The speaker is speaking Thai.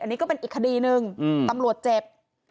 อันนี้ก็เป็นอีกคดีหนึ่งตำรวจเจ็บ